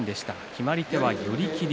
決まり手は寄り切り。